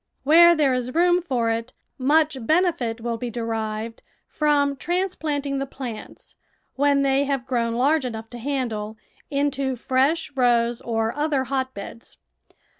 Where there is room for it, much benefit will be derived from transplanting the plants, when they THE VEGETABLE GARDEN have grown large enough to handle, into fresh rows or other hotbeds.